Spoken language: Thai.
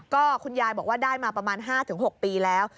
ก็คุณยายบอกว่าได้มาประมาณ๕๖ปีแล้ว